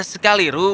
ini sangat indah ruru